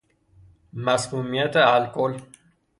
مسمومیت الکل